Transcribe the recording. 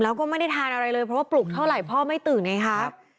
แล้วก็ไม่ได้ทานอะไรเลยเพราะว่าปลุกเท่าไหร่พ่อไม่ตื่นไงครับ